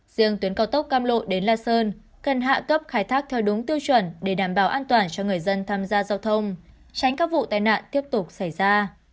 riêng tuyến cao tốc cam lộ đến la sơn cần hạ cấp khai thác theo đúng tiêu chuẩn để đảm bảo an toàn cho người dân tham gia giao thông tránh các vụ tai nạn tiếp tục xảy ra